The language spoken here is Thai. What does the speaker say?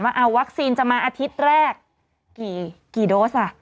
ว่าวัคซีนจะมาอาทิตย์แรกกี่โดส